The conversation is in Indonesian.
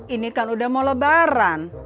ini kan udah mau lebaran